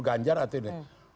ganjar atau ini